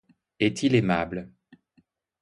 Est-il aimable!